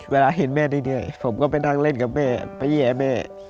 เวลาเห็นแม่เรื่อยผมก็ไปนั่งเล่นกับแม่ไปแย่แม่